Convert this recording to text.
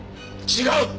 違う！